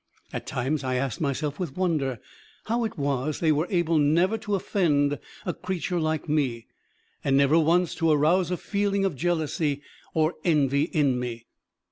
At times I asked myself with wonder how it was they were able never to offend a creature like me, and never once to arouse a feeling of jealousy or envy in me?